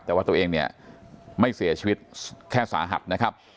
แต่ว่าตัวเองเนี่ยไม่เสียชีวิตแค่สาหัสนะครับ